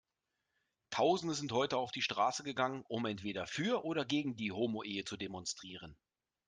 Tausende sind heute auf die Straße gegangen, um entweder für oder gegen die Homoehe zu demonstrieren.